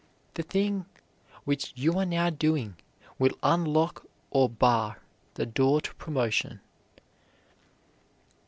The thing which you are now doing will unlock or bar the door to promotion.